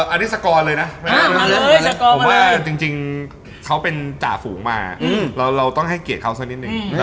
อันนี้สกรเลยนะผมว่าจริงเขาเป็นจ่าฝูงมาเราต้องให้เกียรติเขาสักนิดนึง